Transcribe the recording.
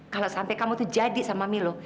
kalau sampai kamu itu jadi sama milo